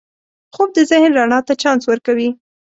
خوب د ذهن رڼا ته چانس ورکوي